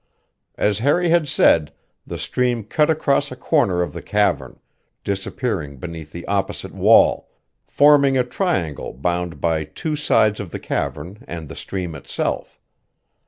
As Harry had said, the stream cut across a corner of the cavern, disappearing beneath the opposite wall, forming a triangle bound by two sides of the cavern and the stream itself.